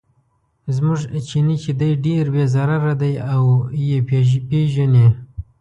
زموږ چیني چې دی ډېر بې ضرره دی او یې پیژني.